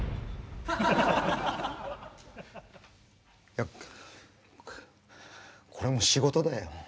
いやこれも仕事だよ。